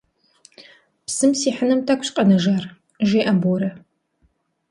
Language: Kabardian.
Псым сихьыным тӏэкӏущ къэнэжар, - жеӏэ Борэ.